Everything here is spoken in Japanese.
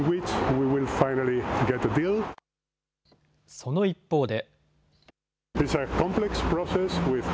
その一方で。